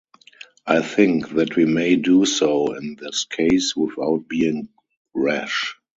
I think that we may do so in this case without being rash.